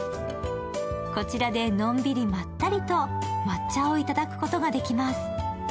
こちらでのんびりまったりと抹茶をいただくことができます。